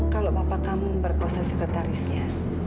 kalau papa kamu berkosa sekretarisnya